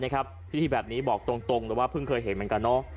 นะครับพิธีแบบนี้บอกตรงตรงแต่ว่าเพิ่งเคยเห็นเหมือนกันเนอะ